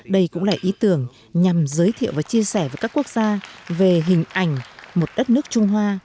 đây cũng là ý tưởng nhằm giới thiệu và chia sẻ với các quốc gia về hình ảnh một đất nước trung hoa